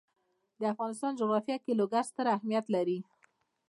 د افغانستان جغرافیه کې لوگر ستر اهمیت لري.